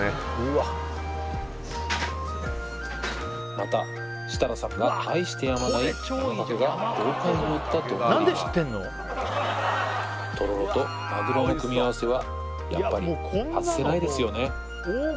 また設楽さんが愛してやまない山かけが豪快にのった丼がとろろとマグロの組み合わせはやっぱり外せないですよね